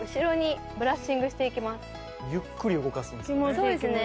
ゆっくり動かすんですよね。